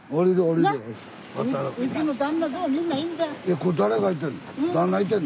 これ誰がいてんの？